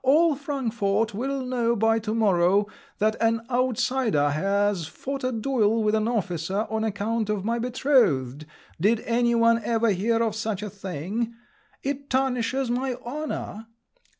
All Frankfort will know by to morrow that an outsider has fought a duel with an officer on account of my betrothed—did any one ever hear of such a thing! It tarnishes my honour!"